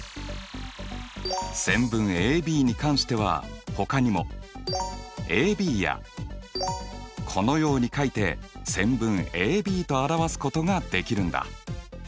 線分ＡＢに関してはほかにもＡＢやこのように書いて線分ＡＢと表すことができるんだ。